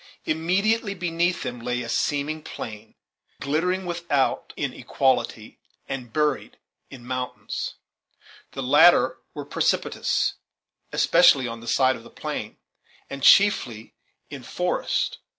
Immediately beneath them lay a seeming plain, glittering without in equality, and buried in mountains. The latter were precipitous, especially on the side of the plain, and chiefly in forest.